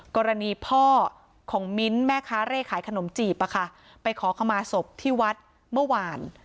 กรณีพ่อของมิ้นท์แม่ค้าเร่ขายขนมจีบไปขอขมาศพที่วัดเมื่อวาน